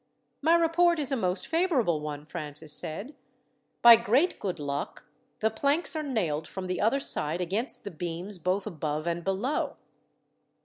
"My report is a most favourable one," Francis said. "By great good luck, the planks are nailed from the other side against the beams both above and below."